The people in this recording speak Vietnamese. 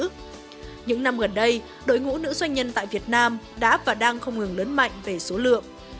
những năm gần đây đội ngũ nữ doanh nhân tại việt nam đã và đang không ngừng lớn mạnh về số lượng